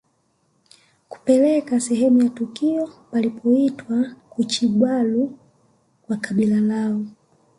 Kupeleka sehemu ya tukio palipoitwa kuchibalu kwa kabila lao